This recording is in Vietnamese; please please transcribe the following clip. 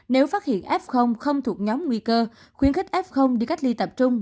nếu phát hiện f không thuộc nhóm nguy cơ khuyến khích f đi cách ly tập trung